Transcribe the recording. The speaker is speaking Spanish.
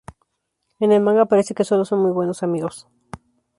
En el Manga parece que solo son muy buenos amigos.